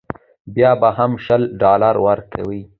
بیا به هم شل ډالره ورکوې.